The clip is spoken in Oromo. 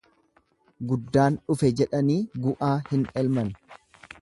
Guddaan dhufe jedhanii gu'aa hin elman.